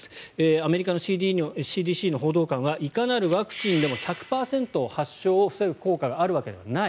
アメリカのＣＤＣの報道官はいかなるワクチンでも１００％発症を防ぐ効果があるわけではない。